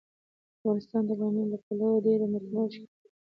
افغانستان د بامیان له پلوه یو ډیر متنوع او ښکلی هیواد دی.